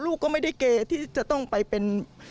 ลูกก็ไม่ได้เกย์ที่จะต้องไปเป็น